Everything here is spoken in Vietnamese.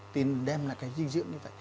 thì đem lại cái dinh dưỡng như vậy